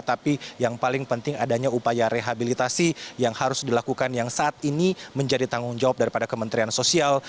tapi yang paling penting adanya upaya rehabilitasi yang harus dilakukan yang saat ini menjadi tanggung jawab daripada kementerian sosial